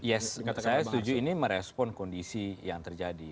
yes saya setuju ini merespon kondisi yang terjadi